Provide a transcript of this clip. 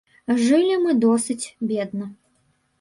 Жылі мы досыць бедна.